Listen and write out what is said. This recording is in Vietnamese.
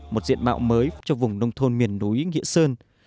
một diện mạo mới cho vùng nông thôn miền núi nghĩa sơn